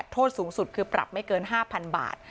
โทษสูงสุดคือปรับไม่เกิน๕๐๐๐บาท